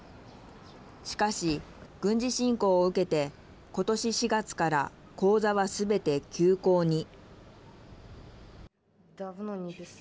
しかし、軍事侵攻を受けて今年４月から講座は、すべて休講に。